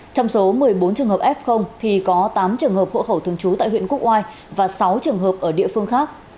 trong số một mươi bốn trường hợp f thì có tám trường hợp hộ khẩu thường trú tại huyện quốc oai và sáu trường hợp ở địa phương khác